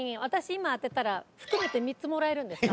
今当てたら含めて３つもらえるんですか？